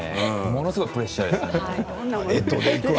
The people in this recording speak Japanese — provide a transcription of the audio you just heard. ものすごいプレッシャーです。